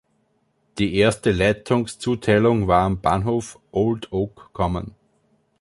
Die erste Leitungszuteilung war am Bahnhof Old Oak Common.